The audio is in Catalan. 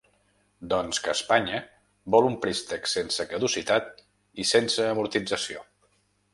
Doncs que Espanya vol un préstec sense caducitat i sense amortització.